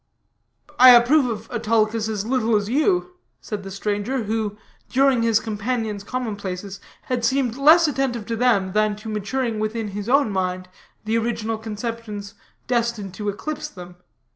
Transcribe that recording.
"I approve of Autolycus as little as you," said the stranger, who, during his companion's commonplaces, had seemed less attentive to them than to maturing with in his own mind the original conceptions destined to eclipse them.